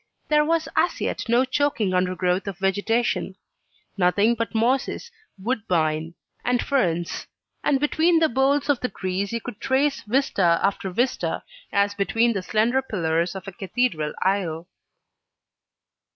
There was as yet no choking under growth of vegetation; nothing but mosses, woodbine, and ferns; and between the boles of the trees you could trace vista after vista, as between the slender pillars of a cathedral aisle.